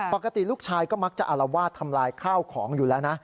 ปกติลูกชายก็มักจะอารวาสทำลายข้าวของอยู่แล้วนะ